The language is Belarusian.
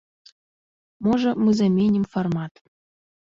Можа, мы заменім фармат.